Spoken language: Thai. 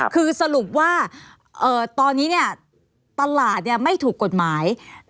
คือสรุปว่าตอนนี้เนี่ยตลาดไม่ถูกกฎหมาย